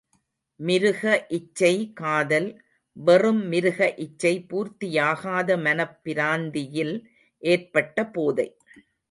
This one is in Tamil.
மிருக இச்சை காதல், வெறும் மிருக இச்சை பூர்த்தியாகாத மனப் பிராந்தியில் ஏற்பட்ட போதை.